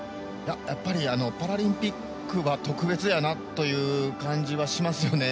やっぱりパラリンピックは特別だなという感じはしますよね。